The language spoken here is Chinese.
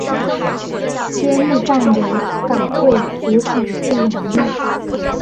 揭幕战由港会主场对永义。